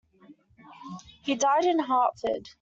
He died in Hartford.